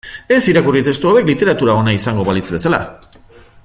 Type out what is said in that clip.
Ez irakurri testu hauek literatura ona izango balitz bezala.